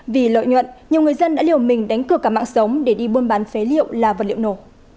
vì lợi nhuận nhiều người dân đã liều mình đánh cửa cả mạng sống để đi buôn bán phế liệu là vật liệu nổ